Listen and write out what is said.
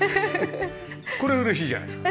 これは嬉しいじゃないですか。